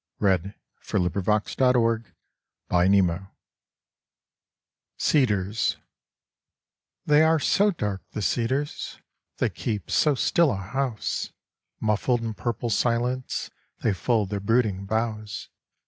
CEDARS (For a Color Etching by George Senseney) They are so dark, the cedars, They keep so still a house ! Muffled in purple silence They fold their brooding boughs.